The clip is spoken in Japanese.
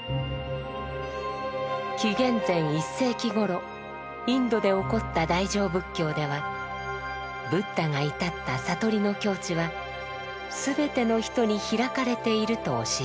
紀元前１世紀頃インドで興った大乗仏教ではブッダが至った悟りの境地はすべての人に開かれていると教えます。